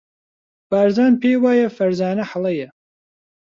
بارزان پێی وایە فەرزانە هەڵەیە.